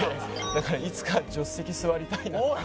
だからいつか助手席座りたいなって。